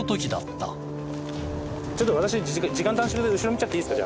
ちょっと私時間短縮で後ろ見ちゃっていいですか？